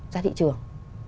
ra thị trường